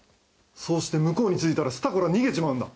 そうして向こうに着いたら、すたこら逃げちまうんだ。